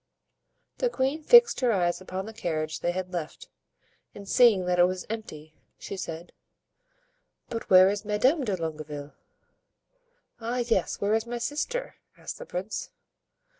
The queen fixed her eyes upon the carriage they had left, and seeing that it was empty, she said: "But where is Madame de Longueville?" "Ah, yes, where is my sister?" asked the prince.